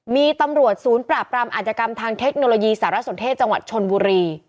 มีตำรวจศูนย์ปราบปรามอาจกรรมทางเทคโนโลยีสารสนเทศจังหวัดชนบุรี